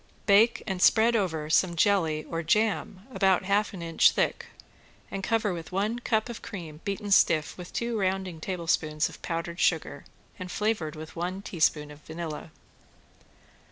Bake and spread over some jelly or jam about half an inch thick, and cover with one cup of cream beaten stiff with two rounding tablespoons of powdered sugar and flavored with one teaspoon of vanilla.